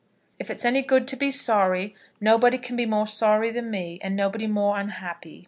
If it's any good to be sorry, nobody can be more sorry than me, and nobody more unhappy.